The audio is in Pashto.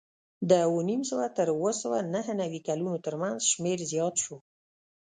د اوه نیم سوه تر اوه سوه نهه نوې کلونو ترمنځ شمېر زیات شو